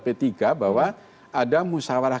p tiga bahwa ada musawarah